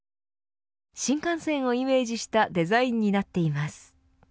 新幹線をイメージしたデザインになっています。